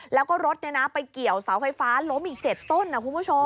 แล้วก็รถไปเกี่ยวเสาไฟฟ้าล้มอีก๗ต้นนะคุณผู้ชม